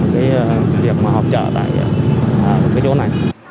cái việc mà họp trợ tại cái chỗ này